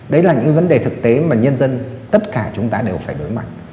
đấy là những vấn đề thực tế mà nhân dân tất cả chúng ta đều phải đối mặt